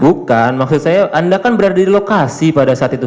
bukan maksud saya anda kan berada di lokasi pada saat itu